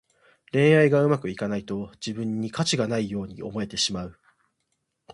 恋愛がうまくいかないと、自分に価値がないように思えてしまう。